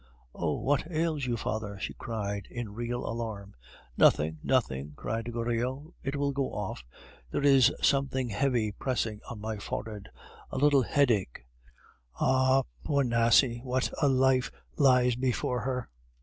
"Oh! what ails you, father?" she cried in real alarm. "Nothing, nothing," said Goriot; "it will go off. There is something heavy pressing on my forehead, a little headache.... Ah! poor Nasie, what a life lies before her!"